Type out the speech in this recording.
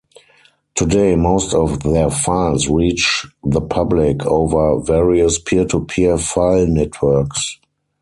Today most of their files reach the public over various peer-to-peer file networks.